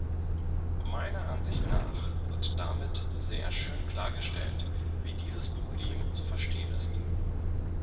Meiner Ansicht nach wird damit sehr schön klargestellt, wie dieses Problem zu verstehen ist.